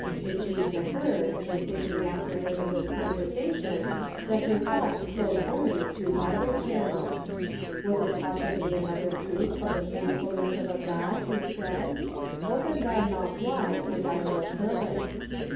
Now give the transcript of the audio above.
It seemed to her, in thinking afterward of this conversation, that her thoughts flowed only through Bible channels. Was it possibly another proof of the faithfulness of a God who said :" Open thy mouth wide, and I will fill it."